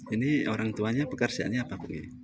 ini orang tuanya pekerjaannya bagus